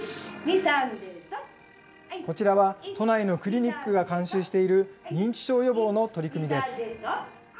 こちらは都内のクリニックが監修している認知症予防の取り組みです。